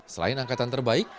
selain angkatan terbaik